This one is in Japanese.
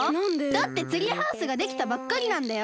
だってツリーハウスができたばっかりなんだよ！